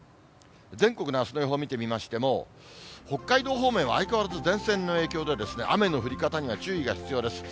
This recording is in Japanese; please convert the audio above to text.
全国のあすの予報を見てみましても、北海道方面は相変わらず前線の影響で、雨の降り方には注意が必要です。